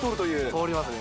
通りますね。